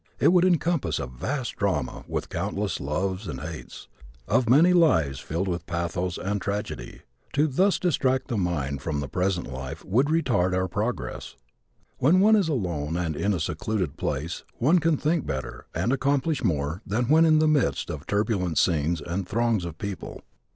It would encompass a vast drama with countless loves and hates, of many lives filled with pathos and tragedy. To thus distract the mind from the present life would retard our progress. When one is alone and in a secluded place one can think better and accomplish more than when in the midst of turbulent scenes and throngs of people.